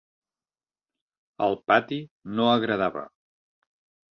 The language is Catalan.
Al pati no agradava.